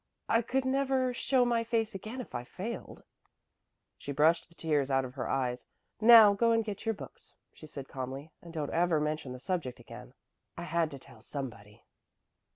"I could never show my face again if I failed." She brushed the tears out of her eyes. "Now go and get your books," she said calmly, "and don't ever mention the subject again. I had to tell somebody."